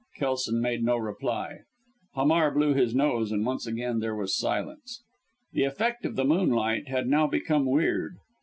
Kelson made no reply; Hamar blew his nose, and once again there was silence. The effect of the moonlight had now become weird.